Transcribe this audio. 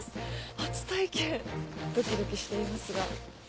初体験ドキドキしていますが。